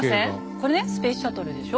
これねスペースシャトルでしょ？